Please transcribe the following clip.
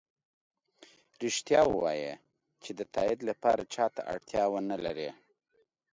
ریښتیا ؤوایه چې د تایید لپاره چا ته اړتیا ونه لری